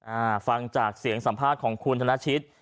อ่าฟังจากเสียงสัมภาษณ์ของคุณธนชิต